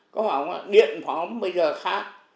có bảo ông điện bảo ông bây giờ khác